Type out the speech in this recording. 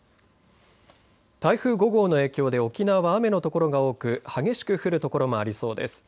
台風５号の影響で沖縄は雨のところが多く激しく降るところもありそうです。